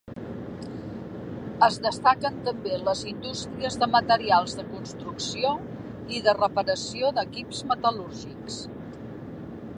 Es destaquen també les indústries de materials de construcció i de reparació equips metal·lúrgics.